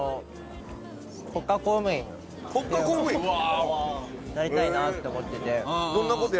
国家公務員！なりたいなって思ってて。